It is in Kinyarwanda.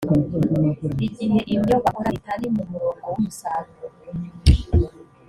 igihe ibyo bakora bitari mu murongo w’umusaruro